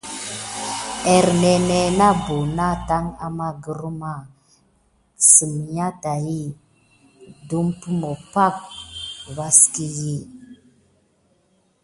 Ernénè na buna täki amà grirmà sem.yà saki depumosok kà nakua pak.